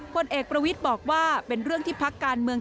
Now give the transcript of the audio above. ผลเอกประวิทย์บอกว่าเป็นเรื่องที่พักการเมือง